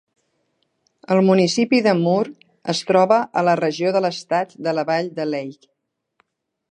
El municipi de Moore es troba a la regió de l'estat de la vall de Lehigh.